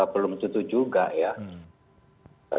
belum tentu juga ya